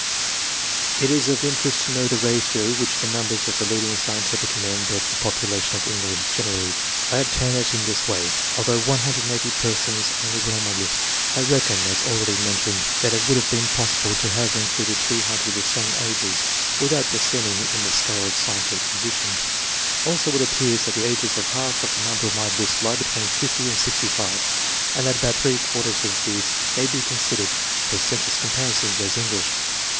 It is of interest to know the ratio which the numbers of the leading scientific men bear to the population of England generally. I obtain it in this way. Although 180 persons only were on my list, I reckon, as already mentioned, that it would have been possible to have in 10 ENGLISH MEN OF SCIENCE, . [chap. eluded 300 of the same ages, without descending in the scale of scientific position ; also it appears that the ages of half of the number on my list lie between 50 and 65, and that about three quarters of these may be considered, for census comparisons, as English.